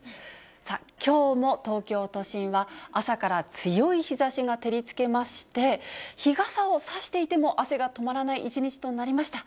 さあ、きょうも東京都心は朝から強い日ざしが照りつけまして、日傘を差していても汗が止まらない一日となりました。